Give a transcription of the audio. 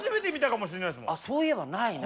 そういえばないな。